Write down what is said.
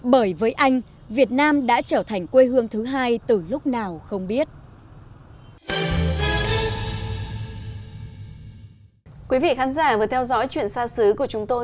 bởi với anh việt nam đã trở thành quê hương thứ hai từ lúc nào không biết